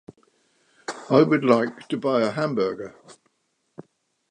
I would like to buy a hamburger!